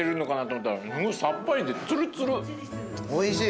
おいしい！